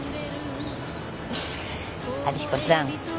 春彦さん。